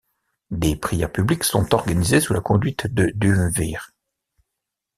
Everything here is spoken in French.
Des prières publiques sont organisées sous la conduite de duumvirs.